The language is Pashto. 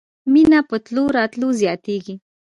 مينه په تلو راتلو زياتېږي.